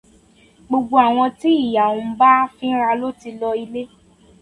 Gbogbo àwọn tí ìyà ń bá fínra ló ti lọ ilé.